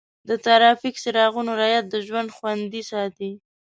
د ټرافیک څراغونو رعایت د ژوند خوندي ساتي.